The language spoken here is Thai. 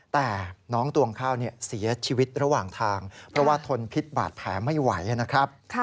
แต่น้องตวงข้าวเสียชีวิตระหว่างทางเพราะว่าทนพิษบาดแผลไม่ไหวนะครับ